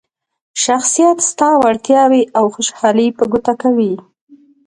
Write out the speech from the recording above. شخصیت ستا وړتیاوې او خوشحالي په ګوته کوي.